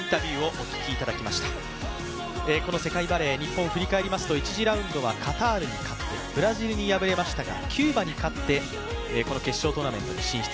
この世界バレー、日本振り返りますと１次ラウンドはカタールに勝ってブラジルに敗れましたがキューバに勝ってこの決勝トーナメントに進出。